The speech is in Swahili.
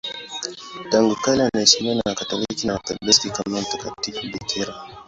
Tangu kale anaheshimiwa na Wakatoliki na Waorthodoksi kama mtakatifu bikira.